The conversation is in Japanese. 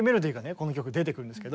この曲出てくるんですけど。